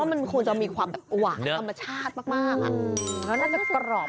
วิเจาะช้อนชัยซะให้เข็บ